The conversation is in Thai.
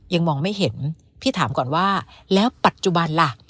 ยังมองไม่เห็นพี่ถามก่อนว่าแล้วปัจจุบันล่ะ